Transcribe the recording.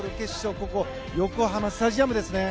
ここ、横浜スタジアムですね。